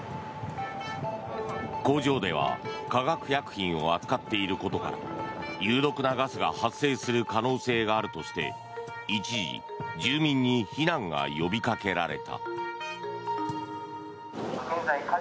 工場では化学薬品を扱っていることから有毒なガスが発生する可能性があるとして一時住民に避難が呼びかけられた。